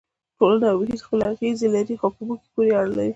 ټولنه او محیط خپلې اغېزې لري خو په موږ پورې اړه لري.